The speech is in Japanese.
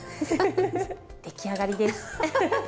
出来上がりです。